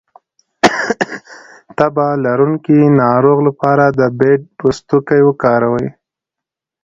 د تبه لرونکي ناروغ لپاره د بید پوستکی وکاروئ